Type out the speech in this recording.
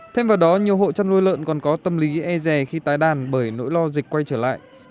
thêm vào đó nhiều hộ chăn nuôi lợn còn có tâm lý e rè khi tái đàn bởi nỗi lo dịch quay trở lại